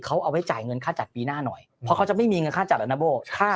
เขาเอาไว้จ่ายเงินค่าจัดปีหน้าหน่อยเพราะเขาจะไม่มีเงินค่าจัดแล้วนะโบ้